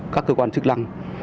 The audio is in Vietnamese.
các cơ quan chức năng